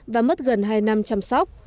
và mất gần hai năm chăm sóc